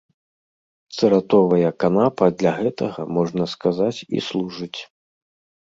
Цыратовая канапа для гэтага, можна сказаць, і служыць.